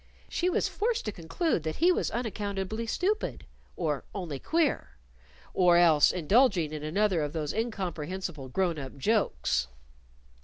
She was forced to conclude that he was unaccountably stupid or only queer or else indulging in another of those incomprehensible grown up jokes.